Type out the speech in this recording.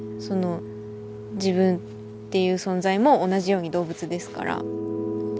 その自分っていう存在も同じように動物ですから。